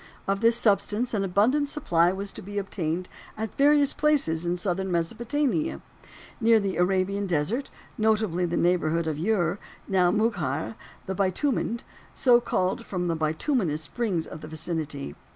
Of this substance an abundant supply was to be obtained at various places in southern Mesopotamia, near the Arabian desert, notably in the neighborhood of Ur, now Mugheir, "the bitumened," so called from the bitumenous springs of the vicinity.